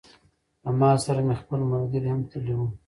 له ما سره مې خپل ملګري هم تللي وه.